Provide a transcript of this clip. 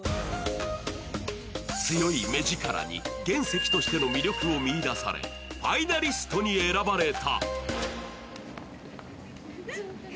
強い目ヂカラに原石としての魅力を見いだされファイナリストに選ばれた。